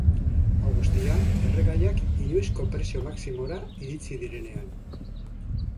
Hau guztia erregaiak inoizko prezio maximora iritsi direnean.